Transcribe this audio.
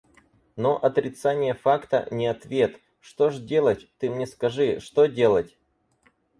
Но отрицание факта — не ответ. Что ж делать, ты мне скажи, что делать?